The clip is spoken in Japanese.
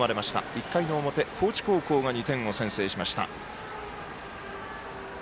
１回の表、高知高校が２点を先制しました。